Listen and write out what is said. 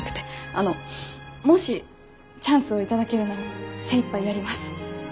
あのもしチャンスを頂けるなら精いっぱいやります。